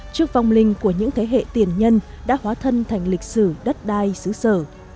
trước vong linh của những thế hệ tiền nhân đã hóa thân thành lịch sử đất đai xứ sở